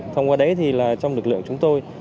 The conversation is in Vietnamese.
thông qua đấy trong lực lượng chúng tôi